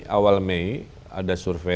awal mei ada survei